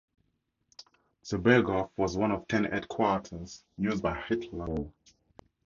The Berghof was one of ten headquarters used by Hitler during the war.